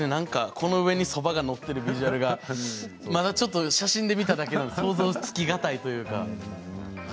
この上に、そばが載ってるビジュアルがまだちょっと写真で見ただけで想像がつきづらいというか。